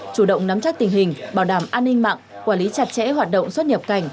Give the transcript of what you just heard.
chủ động nắm chắc tình hình bảo đảm an ninh mạng quản lý chặt chẽ hoạt động xuất nhập cảnh